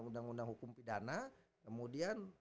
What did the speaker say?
undang undang hukum pidana kemudian